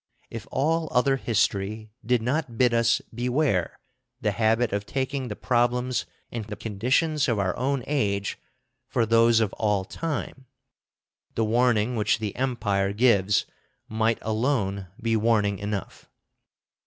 If all other history did not bid us beware the habit of taking the problems and the conditions of our own age for those of all time, the warning which the Empire gives might alone be warning enough.